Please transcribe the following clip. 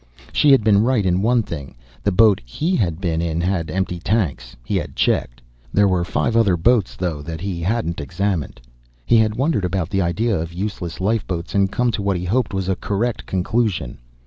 She had been right in one thing the boat he had been in had empty tanks, he had checked. There were five other boats, though, that he hadn't examined. He had wondered about the idea of useless lifeboats and come to what he hoped was a correct conclusion.